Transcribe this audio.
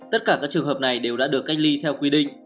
tất cả các trường hợp này đều đã được cách ly theo quy định